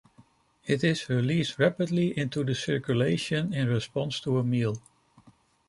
It is released rapidly into the circulation in response to a meal.